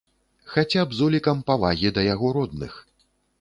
Хаця б з улікам павагі да яго родных.